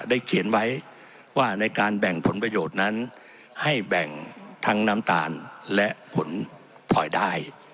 เขียนไว้ว่าในการแบ่งผลประโยชน์นั้นให้แบ่งทั้งน้ำตาลและผลพลอยได้